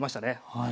はい。